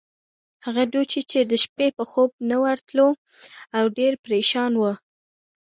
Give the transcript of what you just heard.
هغه ډوچي چې د شپې به خوب نه ورتلو، او ډېر پرېشان وو.